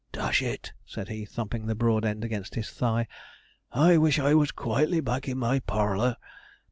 'Dash it!' said he, thumping the broad end against his thigh; 'I wish I was quietly back in my parlour.